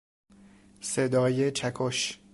صدای چکش